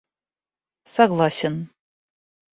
согласен